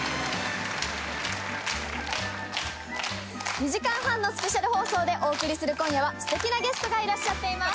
２時間半のスペシャル放送でお送りする今夜は素敵なゲストがいらっしゃっています。